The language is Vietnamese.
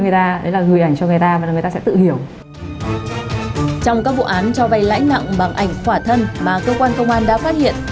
trong các vụ án cho vay lãi nặng bằng ảnh khỏa thân mà cơ quan công an đã phát hiện